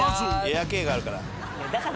エアケイがあるから。